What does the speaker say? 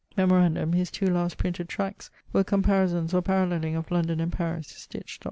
Memorandum: his 2 last printed tracts were comparisons or paralleling of London and Paris, stitcht, 8vo.